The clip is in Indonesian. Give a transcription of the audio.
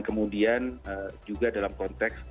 kemudian juga dalam konteks